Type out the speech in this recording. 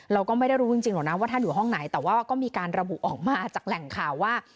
เราก็ไม่ได้รู้จริงหรอกนะว่าท่านอยู่ห้องไหนแต่ว่าก็มีการระบุออกมาจากแหล่งข่าวว่า